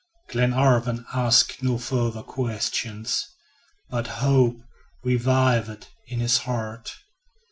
Glenarvan asked no further questions; but hope revived in his heart.